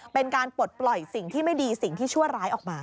เป็นการปลดปล่อยสิ่งที่ไม่ดีสิ่งที่ชั่วร้ายออกมา